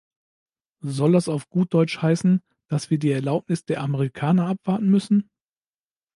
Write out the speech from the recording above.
Soll das auf gut deutsch heißen, dass wir die Erlaubnis der Amerikaner abwarten müssen?